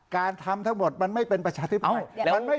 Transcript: การทำทั้งหมดมันไม่เป็นประชาธิปไตย